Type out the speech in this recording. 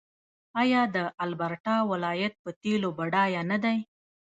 آیا د البرټا ولایت په تیلو بډایه نه دی؟